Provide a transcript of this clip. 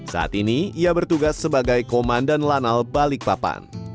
saat ini ia bertugas sebagai komandan lanal balikpapan